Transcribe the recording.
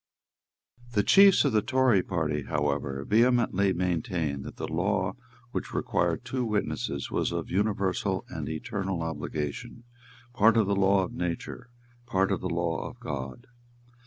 The chiefs of the Tory party, however, vehemently maintained that the law which required two witnesses was of universal and eternal obligation, part of the law of nature, part of the law of God.